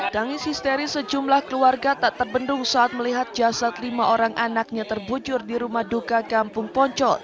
tangis histeris sejumlah keluarga tak terbendung saat melihat jasad lima orang anaknya terbujur di rumah duka kampung poncol